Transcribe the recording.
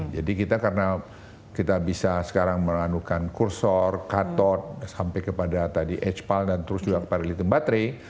jadi kita karena kita bisa sekarang melanukan kursor cathode sampai kepada tadi h pal dan terus juga ke litium baterai